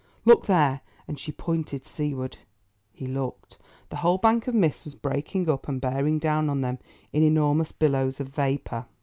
Look there," and she pointed seaward. He looked. The whole bank of mist was breaking up and bearing down on them in enormous billows of vapour.